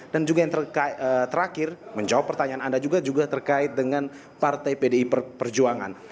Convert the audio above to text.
dan juga yang terakhir menjawab pertanyaan anda juga terkait dengan partai pdi perjuangan